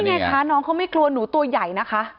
ไงคะน้องเขาไม่กลัวหนูตัวใหญ่นะคะ